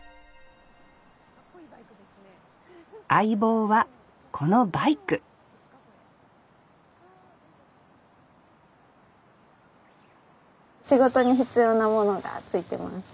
相棒はこのバイク仕事に必要なものがついてます。